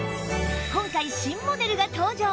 今回新モデルが登場！